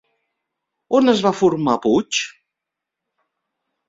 On es va formar Puig?